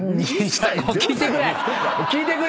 聞いてくれ！